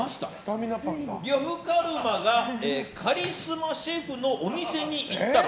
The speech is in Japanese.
呂布カルマがカリスマシェフのお店に行ったら。